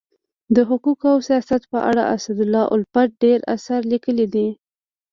د حقوقو او سیاست په اړه اسدالله الفت ډير اثار لیکلي دي.